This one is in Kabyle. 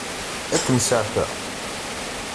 Ad kem-seɛfeɣ?